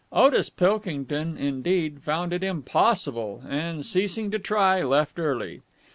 Otis Pilkington, indeed, found it impossible, and, ceasing to try, left early.